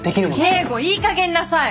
京吾いいかげんになさい！